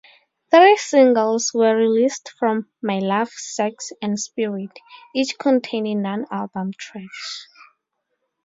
Three singles were released from "My Love, Sex, and Spirit", each containing non-album tracks.